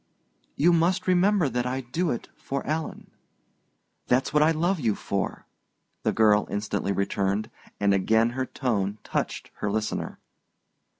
"You must remember that I do it for Alan." "That's what I love you for!" the girl instantly returned; and again her tone touched her listener.